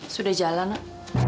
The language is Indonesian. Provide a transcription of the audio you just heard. sudah jalan nang